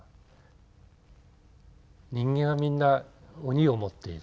人間はみんな鬼を持っている？